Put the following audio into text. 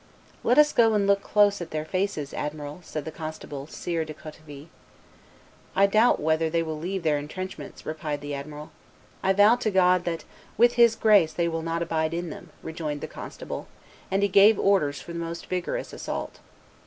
"Let us go and look close in their faces, admiral," said the constable to Sire de Coetivi. "I doubt whether they will leave their intrenchments," replied the admiral. "I vow to God that with His grace they will not abide in them," rejoined the constable; and he gave orders for the most vigorous assault.